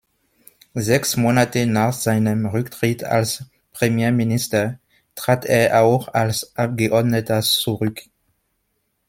Sechs Monate nach seinem Rücktritt als Premierminister trat er auch als Abgeordneter zurück.